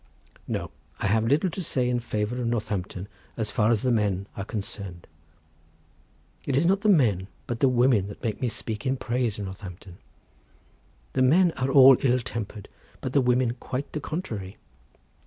No, I have little to say in favour of Northampton, as far as the men are concerned. It's not the men but the women that make me speak in praise of Northampton. The men are all ill tempered, but the women quite the contrary.